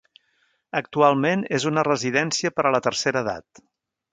Actualment és una residència per a la tercera edat.